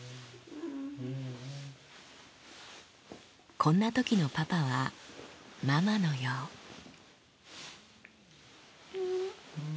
こんな時のパパはママのようん？